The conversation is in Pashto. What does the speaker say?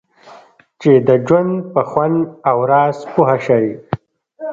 چې د ژوند په خوند او راز پوه شئ.